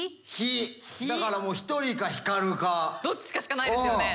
だからもうどっちかしかないですよね。